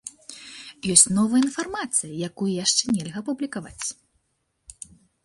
Ёсць новая інфармацыя, якую яшчэ нельга апублікаваць.